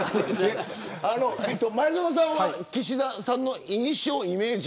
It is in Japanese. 前園さんは岸田さんの印象、イメージ。